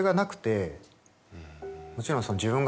もちろん。